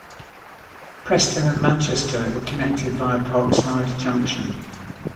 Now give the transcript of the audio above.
Preston and Manchester were connected via Parkside Junction.